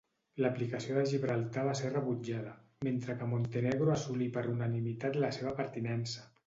L'aplicació de Gibraltar va ser rebutjada, mentre que Montenegro assolí per unanimitat la seva pertinença.